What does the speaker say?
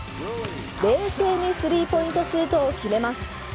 冷静に３ポイントシュートを決めます。